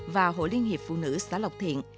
và hội liên hiệp phụ nữ xã lộc thiện